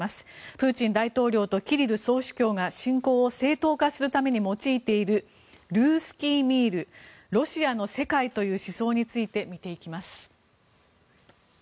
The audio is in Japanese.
プーチン大統領とキリル総主教が侵攻を正当化するために用いているルースキー・ミールロシアの世界という思想について見ていきます。